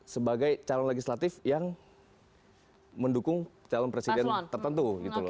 sebagai calon legislatif yang mendukung calon presiden tertentu